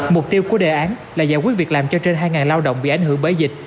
mục tiêu của đề án là giải quyết việc làm cho trên hai lao động bị ảnh hưởng bởi dịch